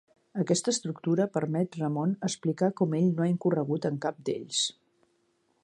Aquesta estructura permet Ramon explicar com ell no ha incorregut en cap d'ells.